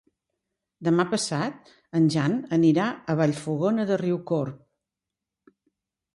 Demà passat en Jan anirà a Vallfogona de Riucorb.